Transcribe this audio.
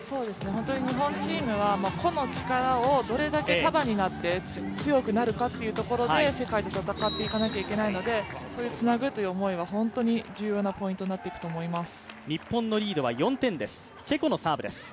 日本チームは個の力をどれだけ束になって強くなるかというところで世界と戦っていかないといけないので、そういう「ツナグ」という思いは重要なポイントになってくると思います。